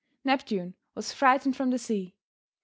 Neptune was frightened from the sea.